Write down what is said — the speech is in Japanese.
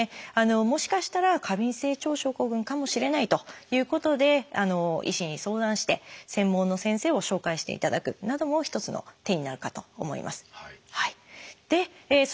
もしかしたら過敏性腸症候群かもしれないということで医師に相談して専門の先生を紹介していただくなども一つの手になるかと思います。